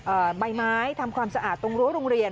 ใบไม้ทำความสะอาดตรงรั้วโรงเรียน